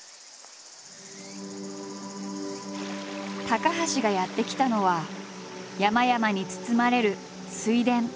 高橋がやって来たのは山々に包まれる水田。